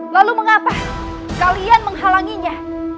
lalu mengapa kalian menghalanginya